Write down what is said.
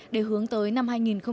để hướng tới năm hai nghìn hai mươi